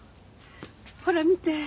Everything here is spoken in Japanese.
ほら見て。